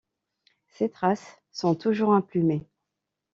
Ses tarses sont toujours emplumés.